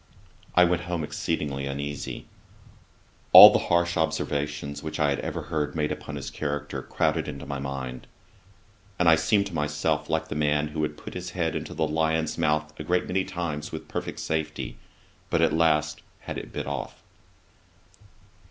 I went home exceedingly uneasy. All the harsh observations which I had ever heard made upon his character, crowded into my mind; and I seemed to myself like the man who had put his head into the lion's mouth a great many times with perfect safety, but at last had it bit off.